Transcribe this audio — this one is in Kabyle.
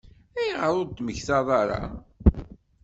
Ayɣer ur d-temmekta ara?